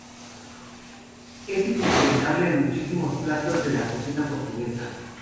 Es imprescindible en muchísimos platos de la cocina portuguesa.